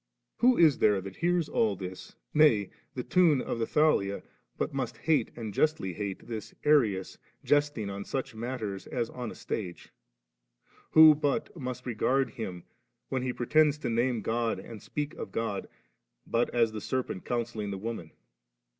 7. Who is there that hears all this, nay, the tune of the Thalia, but must hate, and justly hate, this Arius jesting on such matters as on a stage ^? who but must regard him, when he pretends to name God and speak of God, but as the serpent counselling the woman